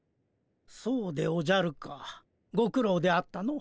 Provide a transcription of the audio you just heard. そうでおじゃるかご苦ろうであったの。